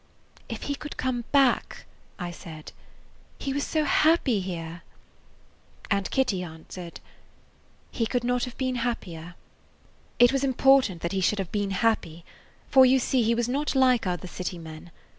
"If he could come back!" I said. "He was so happy here!" And Kitty answered: [Page 12] "He could not have been happier." It was important that he should have been happy, for, you see, he was not like other city men.